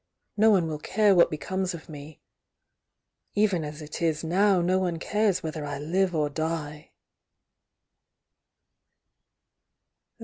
No one will care what becomes of me, — even as it is now no one cares whether I live or die!"